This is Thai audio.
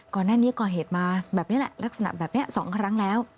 ก่อนหน้านี้ก่อเหตุมาแบบนี้แหละลักษณะแบบนี้๒ครั้งแล้ว